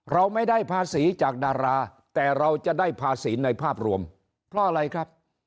เราไม่ได้ภาษีจากดาราแต่เราจะได้ภาษีในภาพรวมเพราะอะไรครับ